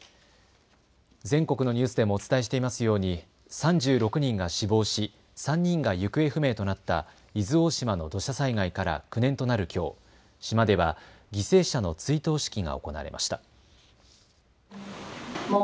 全国のニュースでもお伝えしていますように３６人が死亡し３人が行方不明となった伊豆大島の土砂災害から９年となるきょう島では犠牲者の追悼式が行われました。